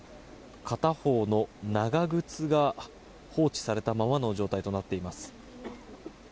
片方の長靴が放置されたままの状態となっています。